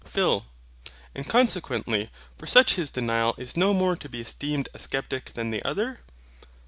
PHIL. And, consequently, for such his denial is no more to be esteemed a sceptic than the other.